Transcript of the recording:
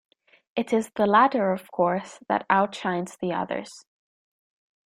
It is the latter, of course, that outshines the others.